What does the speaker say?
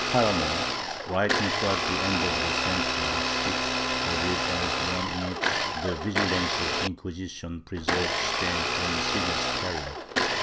Paramo, writing towards the end of the century, speaks of it as one in which the vigilance of the Inquisition preserved Spain from serious peril